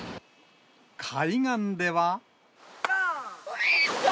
海岸では。